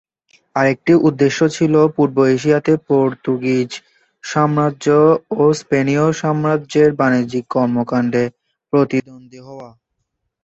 আরেকটি উদ্দেশ্য ছিল পূর্ব এশিয়াতে পর্তুগিজ সাম্রাজ্য ও স্পেনীয় সাম্রাজ্যের বাণিজ্যিক কর্মকাণ্ডে প্রতিদ্বন্দ্বী হওয়া।